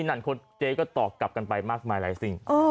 นั่นคนเจ๊ก็ต่อกลับกันไปมากมายอะไรสิ่ง